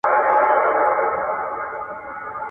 غړومبېدلی به آسمان وي !.